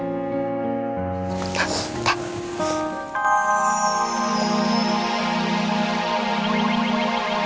gak biasanya pak bos marahin rena